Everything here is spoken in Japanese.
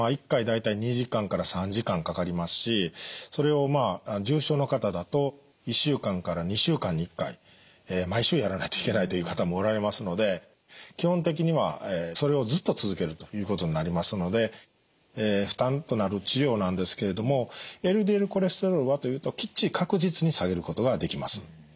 １回大体２時間から３時間かかりますしそれを重症の方だと１週間から２週間に１回毎週やらないといけないという方もおられますので基本的にはそれをずっと続けるということになりますので負担となる治療なんですけれどもＬＤＬコレステロールはというときっちり確実に下げることができます。